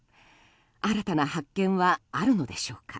新たな発見はあるのでしょうか。